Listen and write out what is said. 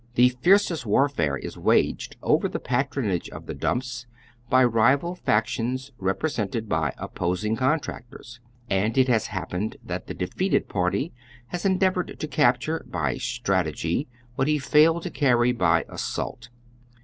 Tlie fiercest warfare is waged over the patron age of the dumps by rival factions represented by oppos ing contractoi s, and it has happened that tbe defeated party has endeavored to capture by sti ategy wiiat be failed to can y by assault.